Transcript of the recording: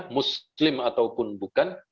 muslim ataupun bukan